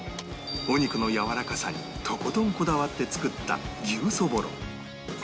お肉のやわらかさにとことんこだわって作った牛そぼろ